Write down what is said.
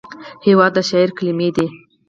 هېواد د شاعر کلمې دي.